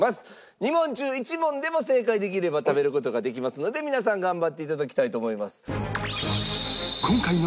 ２問中１問でも正解できれば食べる事ができますので皆さん頑張って頂きたいと思います。